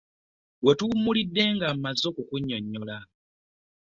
We tuwummulidde nga mmaze okukunnyonnyola.